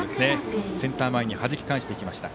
センター前にはじき返しました。